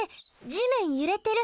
地面揺れてる。